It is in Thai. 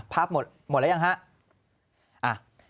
ภาพหมดหมดแล้วยังฮะ